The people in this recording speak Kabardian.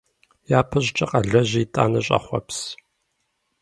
Япэщӏыкӏэ къэлэжьи, итӏанэ щӏэхъуэпс.